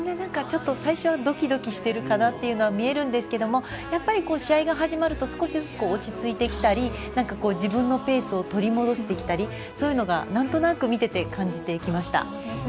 最初、ドキドキしてるかなというのは見えるんですけれどもやっぱり試合が始まると少しずつ落ち着いてきたり自分のペースを取り戻してなんとなく見てて感じていきました。